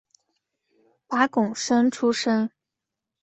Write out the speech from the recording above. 拔贡生出身。